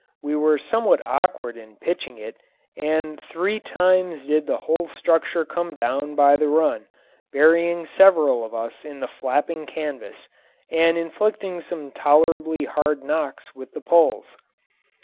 We were somewhat awkward in pitching it, and three times did the whole structure come down by the run, burying several of us in the flapping canvas, and inflicting some tolerably hard knocks with the poles.